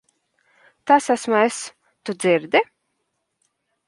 Tas esmu es. Tu dzirdi?